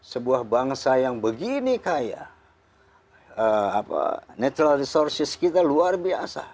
sebuah bangsa yang begini kaya natural resources kita luar biasa